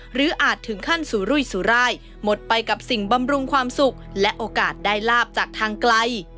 อาจถึงขั้นสุรุยสุรายหมดไปกับสิ่งบำรุงความสุขและโอกาสได้ลาบจากทางไกล